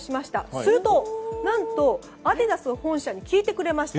すると何とアディダスの本社に聞いてくれました。